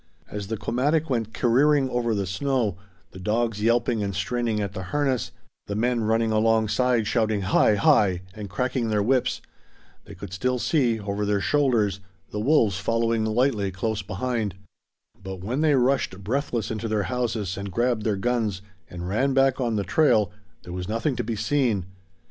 As the komatik went careering over the snow, the dogs yelping and straining at the harness, the men running alongside shouting Hi hi and cracking their whips, they could still see, over their shoulders, the wolves following lightly close behind; but when they rushed breathless into their houses, and grabbed their guns, and ran back on the trail, there was nothing to be seen.